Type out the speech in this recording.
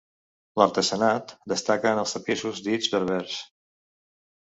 L'artesanat destaca en els tapissos dits berbers.